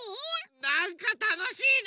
なんかたのしいね！